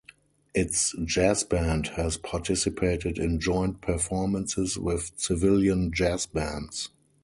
Its jazz band has participated in joint performances with civilian jazz bands.